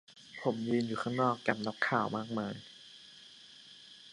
ผมยืนอยู่ข้างนอก กับนักข่าวมากมาย